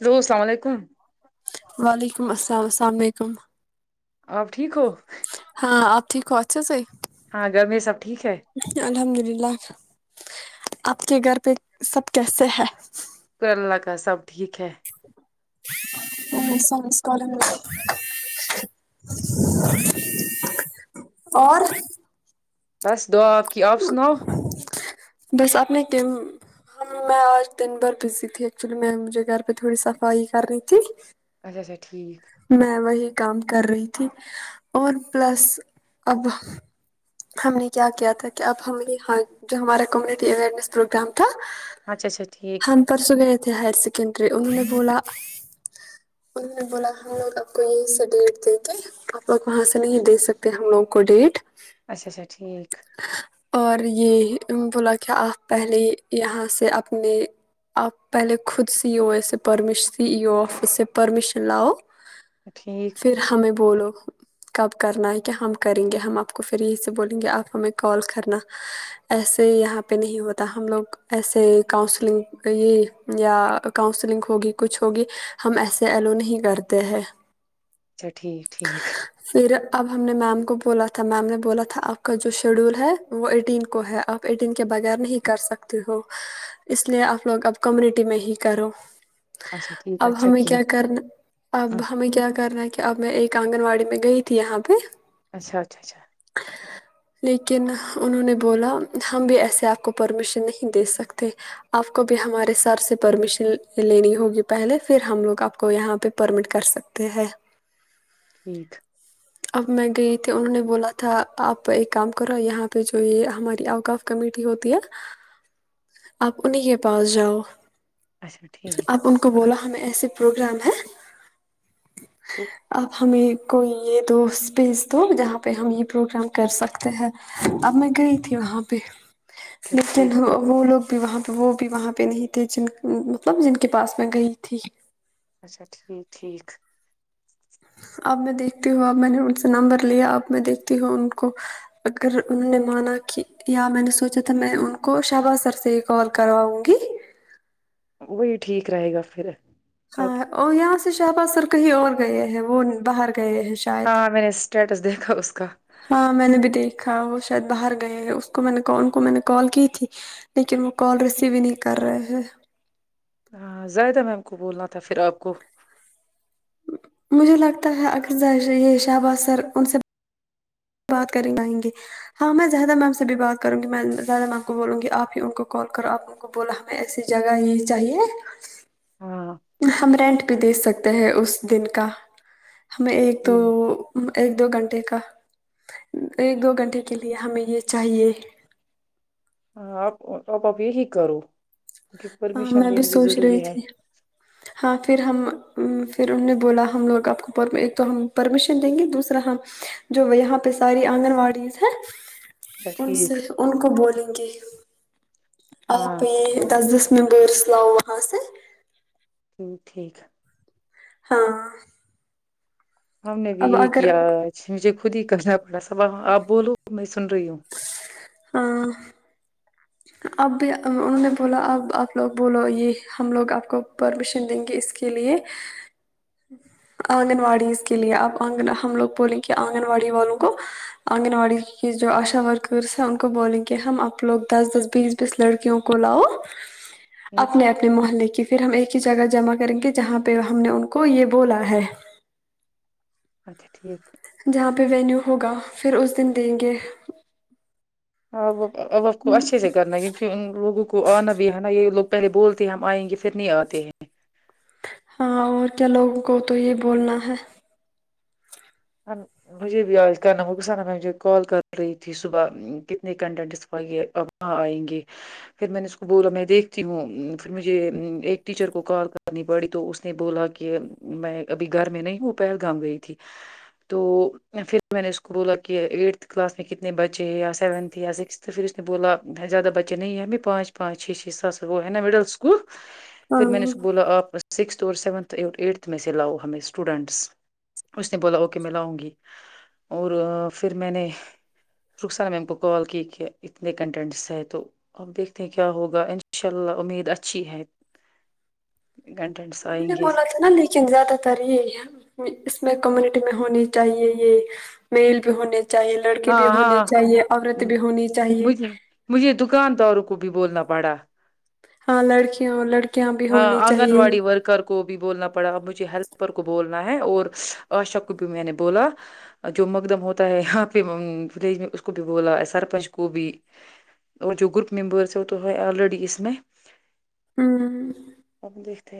hello السلام علیکم [unintelligible] آپ ٹھیک ہو ہاں اپتھ خوتچس ہاں گر میں سب ٹھیک ہے الحمد آپ کے گھر پہ سب کیسے ہے شکر اللہ کا سب ٹھیک ہے ہ سمسک اور بس دعا آ کی آپ سناؤ بس اپنے کیم میں آج دن بھر بزی تھی ایکچولی میں مجھے گھر پہ تھوڑی صفائی کرنی تھی اچھا اچھا ٹھیک میں وہی کام کر رہی تھی اور پلس اب ہم نے کیا کیا تھا کہ اب ہم یہاں جو ہمارا کمیونٹی اوئرنیس پروگرام تھا اچھا اچھا ٹھیک ہم پرسوں گئے تھے ہائر سیک کیرے انہوں نے بولا انہوں نے بولا ہم لوگ آپ کو یہی سا ڈیٹ دے کہ آپ لوگ وہاں سے نہیں دے سکتے ہم لوگوں کو ڈیٹ اچھا اچھا ٹھیک اور یہ بولا کہ آپ پہلے یہاں سے اپنے آپ پہلے خود سی ا او اے سے پرمیش سی ای او آفس سے پرمیشن لاؤ ٹھیک پھر ہمیں بولو کب کرنا ہے کہ ہم کریں گے ہم آپ کو فھر یہ سے بولیں گے آپ ہمیں کال کرنا ایسے یہاں پہ نہیں ہوتا ہم لوگ ایسے کاؤنسلنگ یہ یا کاؤنسلنگ ہوگی کچھ ہوگی ہم ایسے ایلو نہیں کرتے ت ہے اچھا ٹھیک ٹھیک پھر اب ہم نے میم کو بولا تھا میم نے بولا تھا آپ کا جو شیڈیول ہے وہ ایٹین کو ہے آپ ایٹین کے بغیر نہیں کر سکتے ہو اس لیے آپ لوگ اب کمیونٹی میں ہی کرو اچھا ٹھیک اب اچھا ہمیں کیا کرنا اب ہمیں کیا کرنا ہے کہ اب میں ایک آنگن واڑی میں گئی تھی یہاں پہ اچھا اچھا اچھا لیکن انہوں نے بولا ہم بھی ایسے آپ کو پرمیشن نہیں دے سکتے آپ کو بھی ہمارے سر سے پرمیشن لینی ہوگی پہلے پھر ہم لوگ آپ کو یہاں پہ پرمٹ کر سکتے ہیں ٹھیک اب میں گئی تھی انہوں نے بولا تھا آپ ایک کام کرو یہاں پہ جو یہ ہماری آؤٹ آف کمیٹی ہوتی ہے آپ انہیں کے پاس جاؤ اچھا ٹھیک اب ان کو بولا ہمیں ایسے پروگرام ہے اپ ہمیں کوئی یہ دو اسپیس دو جہاں پہ ہم یہ پروگرام کر سکتے ہیں اب میں گئی تھی وہاں پہ اچھا لیکن ٹھیک وہ لوگ بھی وہاں پہ وہ بھی وہاں پہ نہیں تھے جن مطلب جن کے پاس میں گئی تھی اچھا ٹھیک ٹھیک اب میں دیکھتی ہوں اب میں نے ان سے نمبر لیا اب میں دیکھتی ہوں ان کو اگر انہوں نے مانا کہ یا میں نے سوچا تھا میں ان کو شہبا سر سے ہی کال کرواؤں گی وہی ٹھیک رہے گا پھر اب ہاں ا یا شاہباز سر کہیں اور گئے ہیں وہ باہر گئے ہیں شاید ہاں میں نے اسٹیٹس دیکھا اس کا ہاں میں نے بھی دیکھا وہ شاید باہر گئے اس کو میں ان کو میں نے کال کی تھی لیکن وہ کال ریسیو ہی نہیں کر رہے ہیں ہاں زائدہ میم کو بولنا تھا پھر آپ کو مجھے لگتا ہے اکرذا یہ شہب سر ان سے بات کریں لائیں گے ہاں میں زیادہ میم سے بھی بات کروں گی میں زیادہ میم کو بولوں گی آپ ہی ان کو کال کرو آپ ان کو بولا ہمیں ایسی جگہ یہ چاہیے ہاں ہم رینٹ بھیہ دے سکتے ہیں اس دن کا ہمیں ایک تو ایک دو گھنٹے کا ایک دو گھنٹے کے لیے ہمیں یہ چاہیے ہاںپ آپا بھی ٹھیک کرو کی ہاں پرمیشن میں بھی لینی سوچ رہی ضروری ہے تھی ہاں پھر ہم پھر انہوں نے بولا ہم لوگ آپ کو ایک تو ہم پرمیشن دیں گے دوسرا ہم جو یہاں پہ ساری آنگن واڑی ہیں اچھا ان ٹھیک سے ان کو بولیں گے آ ہاں پہ دس دس میںمبرس لاؤ ہاں سے ٹھیک ہاں ہم نے بھی اب یہی اگر کیا مجھے خودی کنا بڑا سابا آپ بولو میں سن رہی ہوں ہاں اب انہوں نے بولا اب آپ لوگ بولو یہ ہم لوگ آپ کو پرمیشن دیں گے اس کے لیے آنگن واڑیز کے لیے آپ آگن ہم لوگ بولیں کہ آنگن واڑی والوں کو آنگن واڑی کی جو آشا ورکرس ہیں ان کو بولیں گ ہم آپ لوگ دس دس پز بیس لڑکیوں کوول آو اپنے اپنے محلے کی پھر ہم ایک ہی جگہ جمع کریں گے جہاں پہ ہم نے ان کو یہ بولا ہے اچھا ٹھیک جہاں پہ وینیو ہوگا پھر اس دن دیں گے ہ اوف کو اچھے سے کرنا ہے کیونکہ ان لوگوں کو آنا بھی آنا یہ لوگ پہلے بولتے ہم آئیں گے پھر نہیں آتے ہیں ہاں اور کیا لوگوں کو تو یہ بولنا ہے مجھے بھی آج کرنا وہک سا نا مجھے کال کر رہی تھی صبح کتنے کنٹینٹ اس پائیے اب وہاں آئیں گے پھر میں نے اس کو بولا میں دیکھتی ہوں پھر مجھے ایک ٹیچر کو کال کرنی پڑی تو اس نے بولا کہ میں ابھی گھر میں نہیں ہوں پہلگام گئی تھی تو پھر میں نے اس کو بولا کہ ایٹتھ کلاس میں کتنے بچے ہیں یا سیونتھ یا سکس پھر اس نے بولا زیادہ بچے نہیں ہیں ہمیں پانچ پانچ چھ چھ سات سر وہ ہے نا مڈل اسکول پھر میں نے اس ہاں کو بولا آپ سکس اور سیونتھ ایٹتھ میں سے لاؤ ہم اسٹوڈینٹس اس نے بولا اوکے میں لاؤں گی اور پھر میں نے رخسان میم کو کال کی کہ اتنے کنٹینٹس ہے تو اپ دیکھتے ہیں کیا ہوگا ان شاء اللہ امید اچھی ہے کنٹینٹس انہوں نے آئیں گے بولا تھا نا لیکن زیادہ تر یہ ہے اس میں کمیون میں ہونی چاہیے یہ میل بھی ہونے چاہیے لڑکے بھی ہاں ہاں ہونے ہاں چاہیے عورتیں بھی ہونی مھ چاہیے مجھے دکانداروں کو بھی بولنا پڑ وڑا ہاں لڑکیوں لڑکیاں بھی ہاں ہونی آنگن چاہیے واڑی ورکر کو بھی بولنا پڑا اب ہیلپر کو بولنا ہے اور آشا کو بھی میں نے بولا جو مقدم ہوتا ہے یہاں پہ ولیج میں اس کو بھی بولا ہے سرپنچ کو بھی اور جو گروپ ممبرس ہے وہ تو ہے آلریڈی اس میں ہوں دیکھتے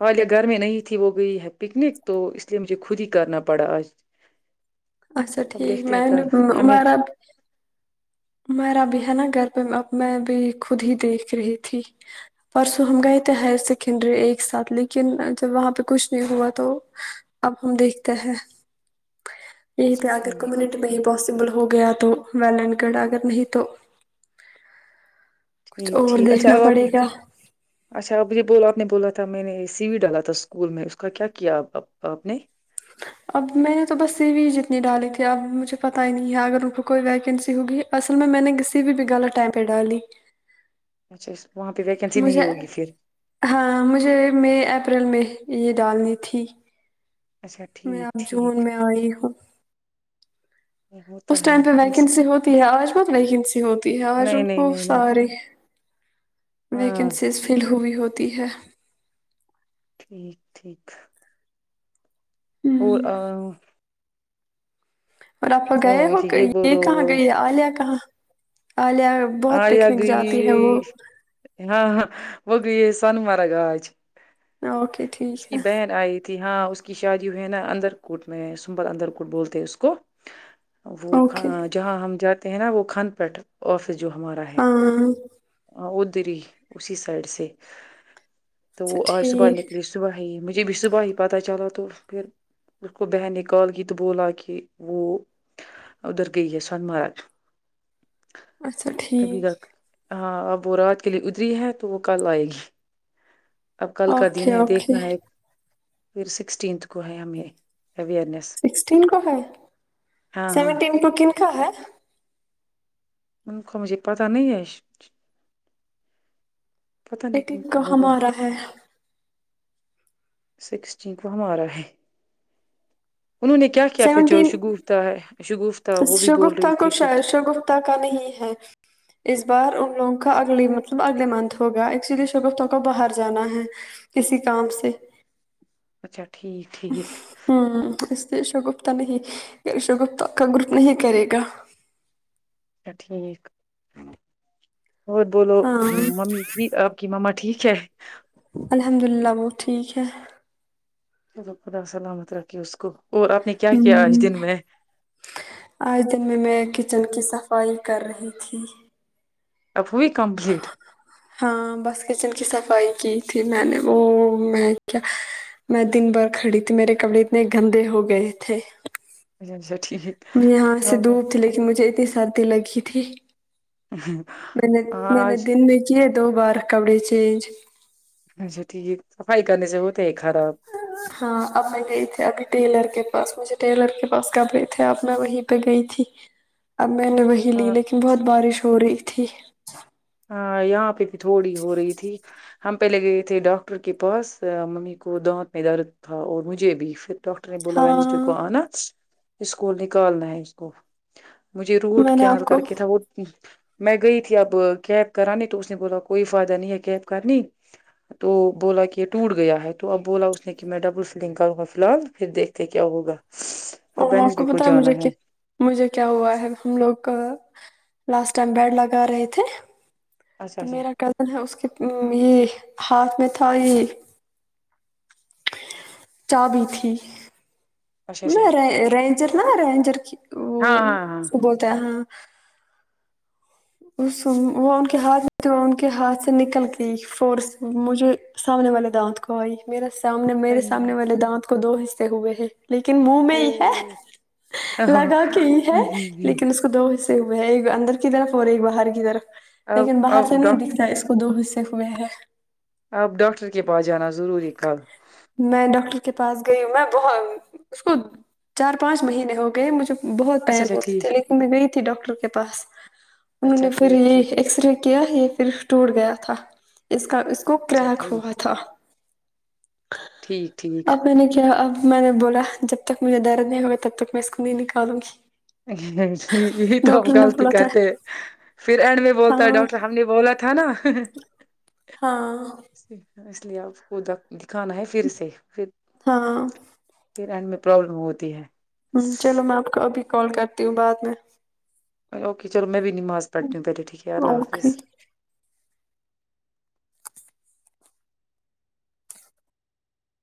حالیہ گھر میں نہیں تھی وہ گئی ہے پکنک تو اس لیے مجھے خود ہی کرنا پڑا آج اچھا اب ٹھیک دیکھتے ہیں میں ا کیا نےو ہمیں عمرب میرا بھی ہے نا گھر پہ اب میں بھی خود ہی دیکھ رہی تھی پرسوں ہم گئے تھے ہائر سیکنڈری ایک ساتھ لیکن جب وہاں پہ کچھ نہیں ہوا تو اب ہم دیکھتے ہیں یہی پ اگر ٹھیک کمیونٹی میں ہی بس سبل ہو گیا تو و گڑھ اگر نہیں تو کچھ ٹھیک اور ٹھیک اچھا دیکھنا اب پڑے اپنی گا اچھا ا یہ بولو آپ نے بولا تھا میں نے سی وی ڈالا تھا اسکول میں اس کا کیا کیا آپ نے اب میں نے تو بس سی بھی جتنی ڈالی تھی اب مجھے پت ہی نہیں ہے اگر ان کو کوئی ویکینسی ہوگی اصل میں میں نے کسی بھی بھی غلط ٹائم پہ ڈالی اچھا اس- وہاں پہ ویکینسی نہیں مجھے ہوگی پھر ہاں مجھے مئی اپریل میں یہ ڈالنی تھی اچھا میں ٹھیک اب جون ٹھیک میں آئی ہوں یہ اس ہوتا ہے ٹائم پہ اس- ویکینسی ہوتی ہے آج بہت ویکینسی ہوتی ہے آج نہیں ان نہیں کو نہیں نہیں سارے ہاں ویکنسیز فل ہوئی ہوتی تی ہے ٹھیک ٹھیک ہوں [inaudible] اور آپ گئے ہو مجھے کہ یہ بولو کہاں گئی آلیہ کہاں عالیہ بہت آیا پکنک گئی جاتی ہے وہ ہاں ہاں وہ گ سوون مرگ آاج اوکے ٹھیک ہے ہاں اس کی شادی ہے نا اندر کوٹ میں سنبل اندر کوٹ بولتے اس کو وہ اوکے جہاں ہم ج ہیں نا وہ کھند پیٹ اورف جو ہمارا ہے ہاں وہ ادری اسی سائڈ سے تو اچھا وہ آج صبح ٹھیک نکلی صبح ہی مجھے جبھی صبح ہی پتہ چلا تو پھر اس کو بہن نے کال کی تو بولا کہ وہ ادھر گئی ہے سون مرگ اچھا ابھی ٹھیک تک [inaudible] اب کل کا دن اوکے ہے اوکے دیکھنا ہے ایک پھر سکسٹینتھ کو ہے ہم ہمیں اوئرنیس [inaudible] ہاں ہاں ھ ہے ان کو مجھے پتاہ نہیں ہے پتہ ایک نہیں کن ایک کو ہوگا ہمارا ہے سکس چینک وہ ہمارا ہے انہوں نے کیا کیا پھر جو سیونٹین شگفتہ ہے شگفتہ وہ بھی بول شوگفت رہی کو تھی شاید کچھ شوگفت کا نہیں ہے اس بار ان لوگوں کا ا ا مطلب اگلے منتھ ہوگا ایکچولی شگفتوں کو باہر جانا ہے کسی کام سے اچھا ٹھیک ٹھیک ہاں ا شگفتہ نہیں شگفتہ کا گروپ نہیں کرے گا اچھا ٹھیک اور بولو ہاں ممی ٹھک آپ کی مما ٹھیک چھ الحمد للہ وہ ٹھیک ہے چلو خدا سلامت رکے اس کو اور آپ نے کیا ہ کیا آج دن میں آج دن میں میں کچن کی صفائی کر رہی تھی اب ہوئی کمپلیٹ ہاں بس کچن کی صفائی کی تھی میں نے وہ میں کیا میں دن بھر کھڑی تھی میرے کپڑے اتنے گندے ہو گئے تھے اچھا ٹھیک یہاں سے ہاں دوپ تھی لیکن مجھے اتنی سردی دی لگی تھی میں نے میں نے آج دن میں کی دو بار کپڑے چینج اچھا ٹھیک ہے سفائی کرنے سے ہوتے ہے خراب ہاں اب میں گئے تھی ابھی ٹیلر کے پاس مجھے ٹیلر کے پاس کپڑے تھے اب میں وہیں پہ گئی تھی میں نے وہی لی لیکن بہت بارش ہو رہی تھی تھی ہاں یہاں پہ تھوڑی ہو رہی تھی ہم پہلے گئے تھے ڈاکٹر کے پاس ممی کو دانت میں درد تھا اور مجھے بھی پھر ڈاکٹر ا بولا وینس ڈے کو ہاں انا اس کو نکالنا ہے اس کو مجھے روٹ میں نے کینال آپ کر کو کے تھا وہ میں گئی تھی اب کیب کرانی تو اس نے بولا کوئی فائدہ نہیں ہے کیب کرنی تو بولا کہ یہ ٹوٹ گیا ہے تو اب بولا اس نے کہ میں ڈبل فلنگ کروں گا فی الحال پھر دیکھ کے کیا ہوگا اب اور آپ وینسڈے کو پتا ہے جانا مجھے کیا مجھے کیا ہوا ہے ہم لوگ لاسٹ ٹائم بیڈ لگا رہے تھے اچھا تو اچھا میرا کزن ہے اس کے یہ ہاتھ میں تھا یہ چابی تھی اچھا اچھا رینجر نا رینجر [inaudible] ہاں وہ ہاں س بولتا ہاں [unintelligible] اس وہ ان کے ہاتھ ان کے ہاتھ سے نکل کے فورس مجھے سامنے والے دانت کو آئی میرا [unintelligible] سامنے میرے ہاں سامنے والے دانت [inaudible] کو دو حصے ہوئے ہیں [inaudible] لیکن منہ میں یہ ہے لگا کے یہ ہے او لیکن اس کو دوص [inaudible] ہے ایک اندر کی طرف اور ایک باہر کی طرف [inaudible] اب لیکن باہر اب سے نہیں ڈاک دکھتا اس کو [inaudible] خدو حصے ہوئے ہیں [inaudible] آپ ڈاکٹر کے پاس جانا [inaudible] ضروری کاال [inaudible] میں ڈاکٹر کے پاس گئی ہ میں ب اس کو چار پانچ مہینے ہو گئے مجھے [inaudible] بہت اچھا پار اچھا ہوتے تھے ٹھیک لیکن میں گئی تھی ڈاکٹر کے پاس انہوں نے اچھا پھر ٹھیک ٹھیک یہ ایکس رے کیا [inaudible] یہ پرف ٹوٹ گیا تھا اس کا اس [unintelligible] کو اچھا کریک ٹھیک ہوا تھا [unintelligible] ٹھیک ٹھیک آب میں نے کیا [inaudible] میں نے بولا جب تک مجھے درد نہیں ہوگا تب تک میں اس کو نہیں نکالوں گی [unintelligible] ج بھی تو ڈاکٹر نے غلطی بولا تھا کرتے پھر اینڈ میں بولتا ہے ہاں ڈاکٹر ہم نے بولا تھا نا [inaudible] ہ [inaudible] ہاں [inaudible] اس لیے آپ کوودک [inaudible] دکھانا ہے پھر سےھر ہاں [inaudible] پھر اینڈ میں پرابلم ہوتی ہے ہ چلو میں آپ کو ابھی کال کرتی ہوں بعد میں اوکے چلو میں بھی نماز پڑٹنییو پلے ٹھیک ہے اللہ حافظ اوکے